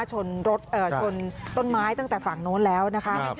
ชนรถชนต้นไม้ตั้งแต่ฝั่งโน้นแล้วนะคะ